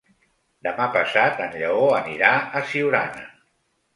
Demà passat en Lleó anirà a Siurana.